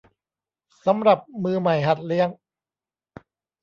สำหรับมือใหม่หัดเลี้ยง